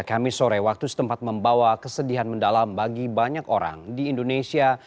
kami sore waktu setempat membawa kesedihan mendalam bagi banyak orang di indonesia